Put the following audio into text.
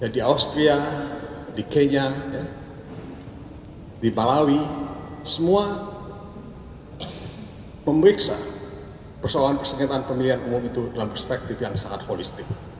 di austria di kenya di palawi semua memeriksa persoalan persenjataan pemilihan umum itu dalam perspektif yang sangat holistik